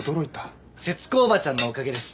節子おばちゃんのおかげです。